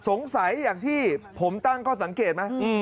สงสัยอย่างที่ผมตั้งก็สังเกตไหม